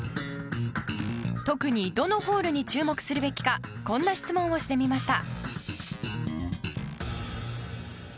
特にどのホールに注目するべきかこんな質問をしてみました。